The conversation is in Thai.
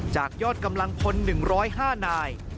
จากยอดกำลังพล๑๐๕นาย